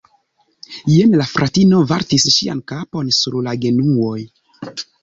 Jen la fratino vartis ŝian kapon sur la genuoj.